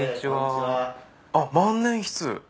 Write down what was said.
あっ万年筆！